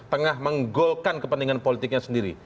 tengah menggolkan kepentingan politiknya sendiri